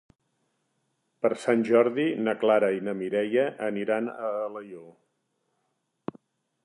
Per Sant Jordi na Clara i na Mireia aniran a Alaior.